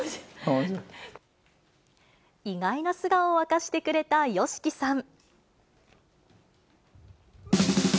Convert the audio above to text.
意外な素顔を明かしてくれたＹＯＳＨＩＫＩさん。